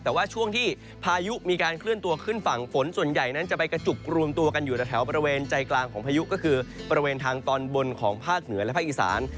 แต่ว่าช่วงที่พายุมีการเคลื่อนตัวขึ้นฝั่งฝนส่วนใหญ่นั้นจะไปกระจุกรวมตัวกันอยู่ในแถวบริเวณใจกลางของพายุก็คือบริเวณทางตอนบนของภาคเหนือและภาคอีสาน